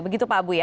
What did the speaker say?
begitu pak abu ya